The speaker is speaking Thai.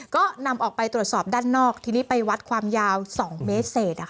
ก็นำออกไปตรวจสอบด้านนอกทีนี้ไปวัดความยาว๒เมตรเศษ